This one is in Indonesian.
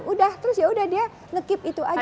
udah terus ya udah dia nge keep itu aja